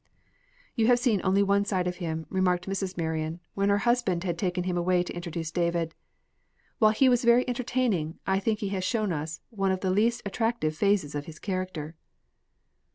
"You have seen only one side of him," remarked Mrs. Marion, when her husband had taken him away to introduce David. "While he was very entertaining, I think he has shown us one of the least attractive phases of his character."